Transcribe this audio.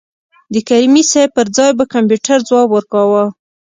د کریمي صیب پر ځای به کمپیوټر ځواب ورکاوه.